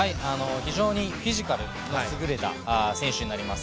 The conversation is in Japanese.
非常にフィジカルに優れた選手になります。